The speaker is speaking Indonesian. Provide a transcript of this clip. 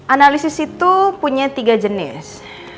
analisis itu punya tiga jenis